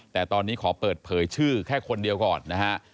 แต่ตอนนี้ขอเปิดเผยชื่อแค่คนเดียวก่อนนะฮะ